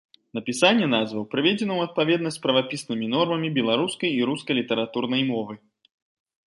Напісанне назваў прыведзена ў адпаведнасць з правапіснымі нормамі беларускай і рускай літаратурнай мовы.